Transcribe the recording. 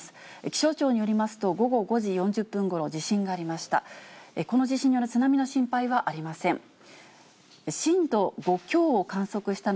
気象庁によりますと、午後５時４０分ごろ、地震がありました。